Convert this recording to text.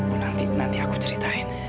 bu nanti aku ceritain